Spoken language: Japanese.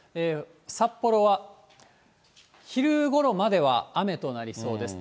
札幌は昼ごろまでは雨となりそうです。